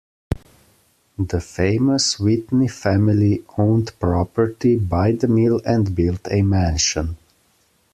The famous Whitney family owned property by the mill and built a mansion.